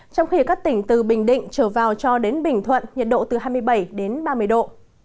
trong khi các tỉnh từ bình định trở vào cho đến bình thuận nhiệt độ từ hai mươi bảy đến ba mươi độ